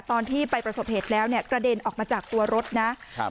ตอนที่ไปประสบเหตุแล้วเนี่ยกระเด็นออกมาจากตัวรถนะครับ